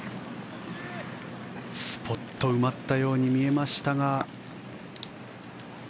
スポッと埋まったように見えましたが。